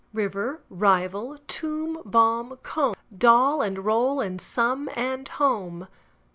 River, rival; tomb, bomb, comb; Doll and roll and some and home.